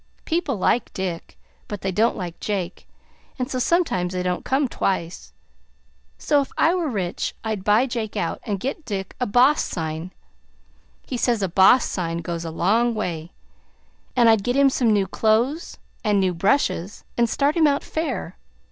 People like Dick, but they don't like Jake, and so sometimes they don't come twice. So if I were rich, I'd buy Jake out and get Dick a 'boss' sign he says a 'boss' sign goes a long way; and I'd get him some new clothes and new brushes, and start him out fair.